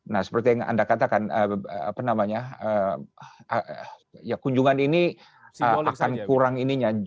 nah seperti yang anda katakan kunjungan ini akan kurang ini